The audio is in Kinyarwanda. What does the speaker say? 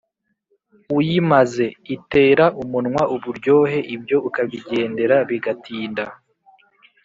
Uyimaze, itera umunwa uburyohe, Ibyo ukabigendera bigatinda!"